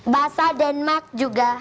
bahasa denmark juga